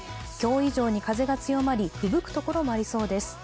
今日以上に風が強まり、ふぶく所もありそうです。